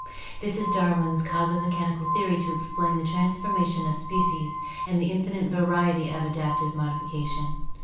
This is Darwin's causo mechanical theory to explain the transformation of species and the infinite variety of adaptive modification.